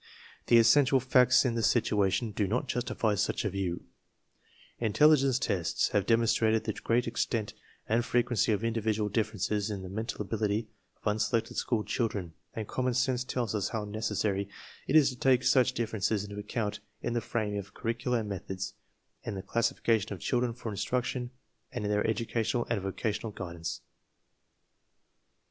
The essential facts in the situation do not justify such a view. Intelligence tests h ave demonstrated the great extent and frequency of individual ditterracesTnthe i menld.abUity.of unse WteH anlmnl ohilrlr^n, anrl hnmjnnn sftnsft tella lis Imw \ necessary it is to take such differences into account in ^ISmiHgH^^ura and mStCT, m tie classifies tion of children for instruction, and in their educational and vocational guidance.